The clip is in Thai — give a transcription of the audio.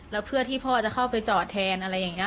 แล้วเพื่อที่พ่อจะเข้าไปจอดแทนอะไรอย่างนี้